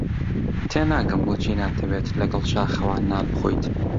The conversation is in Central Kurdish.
تێناگەم بۆچی ناتەوێت لەگەڵ شاخەوان نان بخۆیت.